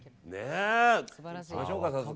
いきましょうか早速。